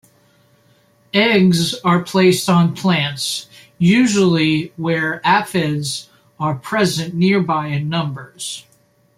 Eggs are placed on plants, usually where aphids are present nearby in numbers.